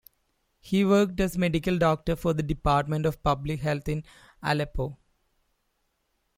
He worked as medical doctor for the Department of Public Health in Aleppo.